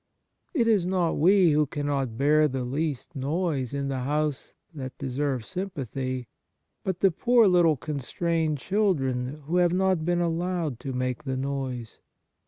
It is not we who cannot bear the least noise in the house that deserve sympathy, but the poor little constrained children who have not been allowed to make the noise.